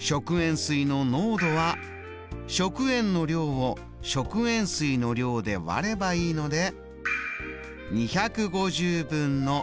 食塩水の濃度は食塩の量を食塩水の量で割ればいいので＝